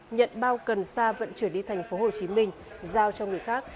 nhận bao cần sa vận chuyển đi tp hcm giao cho người khác